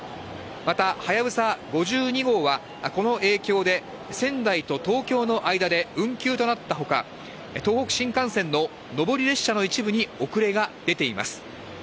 またはやぶさ５２号は、この影響で仙台と東京の間で運休となったほか、東北新幹線の上り列車の一部に遅れが出ています。